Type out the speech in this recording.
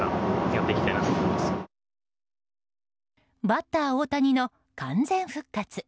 バッター大谷の完全復活。